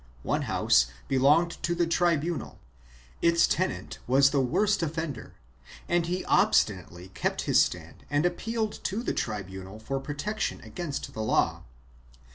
One house belonged to the tribunal; its tenant was the worst offender, and he obsti nately kept his stand and appealed to the tribunal for protection against the law.